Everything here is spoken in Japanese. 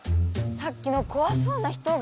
さっきのこわそうな人が？